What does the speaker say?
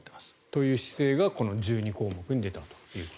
という姿勢がこの１２項目に出たと。